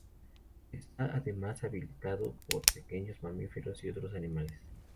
Está además habitado por pequeños mamíferos y otros animales.